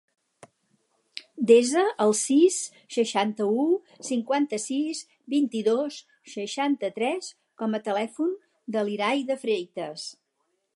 Desa el sis, seixanta-u, cinquanta-sis, vint-i-dos, seixanta-tres com a telèfon de l'Irai De Freitas.